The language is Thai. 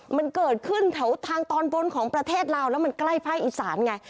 มันเกิดขึ้นแถวทางตอนบนของประเทศลาวแล้วมันใกล้ภาคอีสานไง